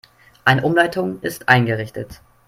Eine Umleitung ist eingerichtet.